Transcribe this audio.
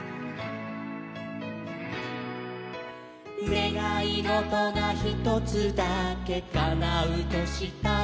「ネガイゴトがひとつだけかなうとしたら」